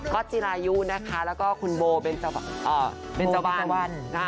ก็จิลายูนะคะแล้วก็คุณโบเบนเจาะวัน